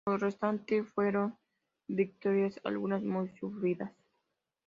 Lo restante fueron victorias algunas muy sufridas.